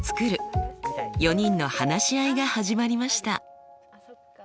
４人の話し合いが始まりました。